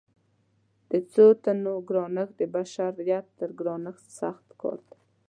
د څو تنو ګرانښت د بشریت تر ګرانښت سخت کار دی.